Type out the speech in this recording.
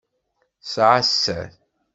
Tesεa sser.